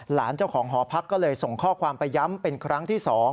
หลานเจ้าของหอพักก็เลยส่งข้อความไปย้ำเป็นครั้งที่๒